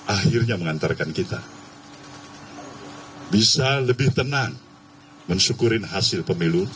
akhirnya mengantarkan kita bisa lebih tenang mensyukurin hasil pemilu